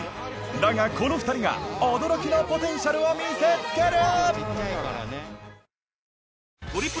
だがこの２人が驚きのポテンシャルを見せつける！